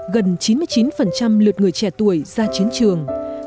gần chín mươi chín lượt người trẻ tuổi ra chiến trường